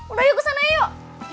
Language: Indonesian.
udah yuk kesana yuk